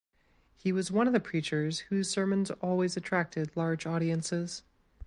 He was one of the preachers whose sermons always attracted large audiences.